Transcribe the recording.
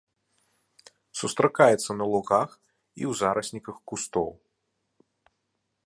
Сустракаецца на лугах і ў зарасніках кустоў.